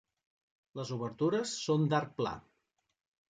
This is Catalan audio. Les obertures són d'arc pla.